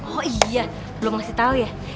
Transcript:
oh iya belum ngasih tahu ya